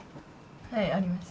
はいありました。